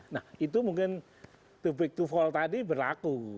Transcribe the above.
nah itu mungkin to back to fall tadi berlaku